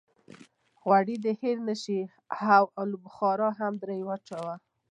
غوړي دې هېر نه شي او الوبخارا هم درې چارکه.